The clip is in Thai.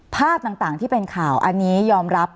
ภาพต่างที่เป็นข่าวอันนี้ยอมรับ